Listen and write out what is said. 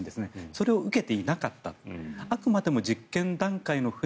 それを受けていなかったあくまでも実験段階の船